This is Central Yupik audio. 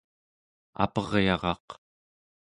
aperyaraq